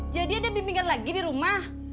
jadi ada bimbingan lagi di rumah